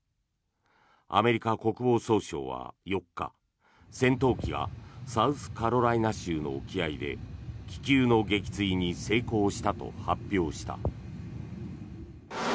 アメリカ国防総省は４日戦闘機がサウスカロライナ州の沖合で気球の撃墜に成功したと発表した。